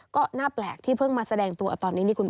ก็น่าแปลกที่เพิ่งมาแสดงตัวตอนนี้นี่คุณ